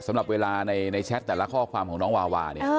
สำหรับเวลาในแชทแต่ละข้อความของน้องวาวาเนี่ย